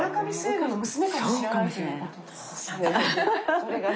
それがね